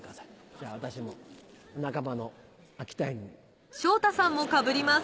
じゃあ私も仲間の秋田犬になります。